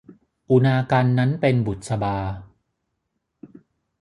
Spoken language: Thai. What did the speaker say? อุณากรรณนั้นเป็นบุษบา